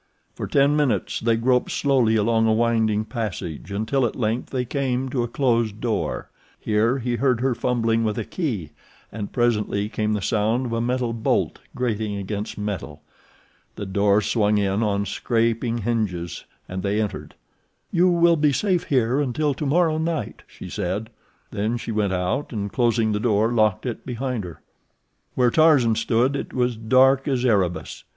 For ten minutes they groped slowly along a winding passage, until at length they came to a closed door. Here he heard her fumbling with a key, and presently came the sound of a metal bolt grating against metal. The door swung in on scraping hinges, and they entered. "You will be safe here until tomorrow night," she said. Then she went out, and, closing the door, locked it behind her. Where Tarzan stood it was dark as Erebus.